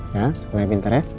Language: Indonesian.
ya sekolahnya pintar ya